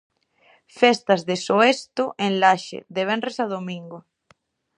Festas de Soesto, en Laxe, de venres a domingo.